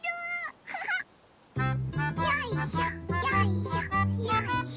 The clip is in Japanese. よいしょよいしょよいしょ。